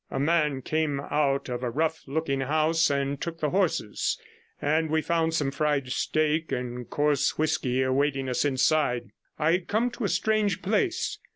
A man came out of a rough looking house and took the horses, and we found some fried steak and coarse whisky awaiting us inside. I had come to a strange place.